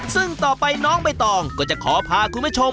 ซึ่งต่อไปน้องใบตองก็จะขอพาคุณผู้ชม